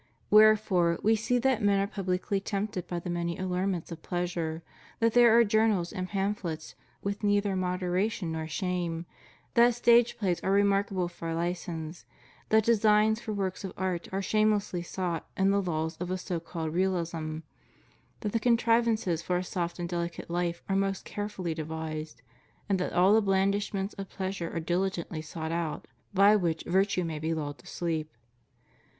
Wherefore we see that men are publicly tempted by the many allurements of pleasure ; that there are journals and pamphlets with neither moderation nor shame; that stage plays are remarkable for license; that designs for works of art are shamelessly sought in the laws of a so called realism; that the contrivances for a soft and deli cate hfe are most carefully devised; and that aU the blandishments of pleasure are diUgently sought out by which virtue may be lulled to sleep.